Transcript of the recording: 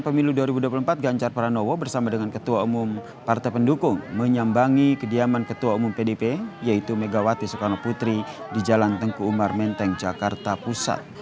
pemilu dua ribu dua puluh empat ganjar pranowo bersama dengan ketua umum partai pendukung menyambangi kediaman ketua umum pdp yaitu megawati soekarno putri di jalan tengku umar menteng jakarta pusat